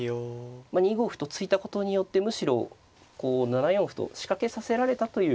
まあ２五歩と突いたことによってむしろこう７四歩と仕掛けさせられたという面もありますね。